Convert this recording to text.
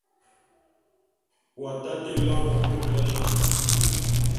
W'atate loene bôt nlam.